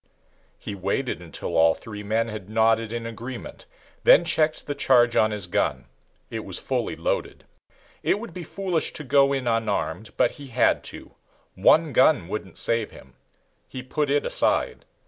He waited until all three men had nodded in agreement, then checked the charge on his gun it was fully loaded. It would be foolish to go in unarmed, but he had to. One gun wouldn't save him. He put it aside.